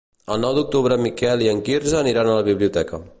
El nou d'octubre en Miquel i en Quirze aniran a la biblioteca.